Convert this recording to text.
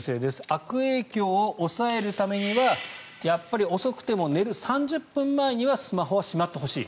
悪影響を抑えるためにはやっぱり遅くても寝る３０分前にはスマホはしまってほしい。